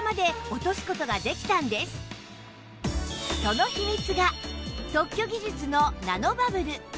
その秘密が特許技術のナノバブル